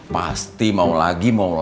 pasti mau lagi